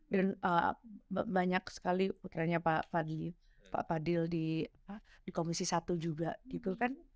dan banyak sekali putranya pak fadil di komisi satu juga gitu kan